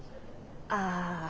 ああ。